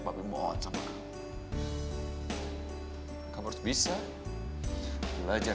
tapi portak sadece kepadanya adalah